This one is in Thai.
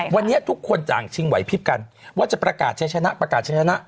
วันนี้ทุกคนจ่างชิงไหวพิพกันว่าจะประกาศเฉยนะ